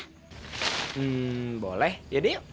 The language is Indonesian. hmm boleh yaudah yuk